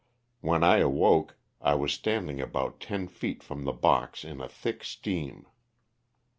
When I awoke I was standing about ten feet from the box in a thick steam.